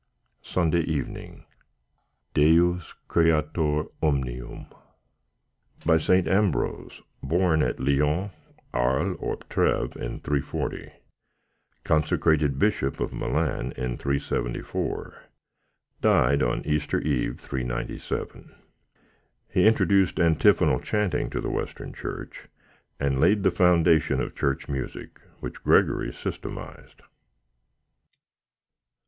Sunday Evening DEUS CREATOR OMNIUM By St. Ambrose, born at Lyons, Arles, or Trêves in 340; consecrated Bishop of Milan in 374; died on Easter Eve, 397. He introduced antiphonal chanting into the Western Church, and laid the foundation of Church music, which Gregory systematised.